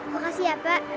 makasih ya pak